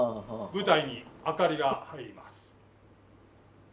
舞台に明かりが入ります。